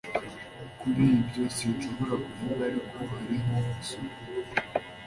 Kuri ibyo sinshobora kuvuga Ariko hariho isoko